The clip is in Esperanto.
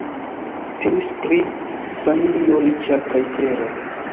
Temis pri familio riĉa kaj klera.